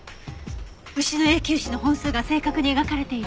牛の永久歯の本数が正確に描かれている。